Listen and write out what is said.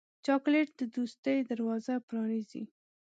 چاکلېټ د دوستۍ دروازه پرانیزي.